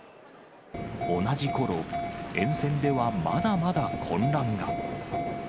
同じころ、沿線ではまだまだ混乱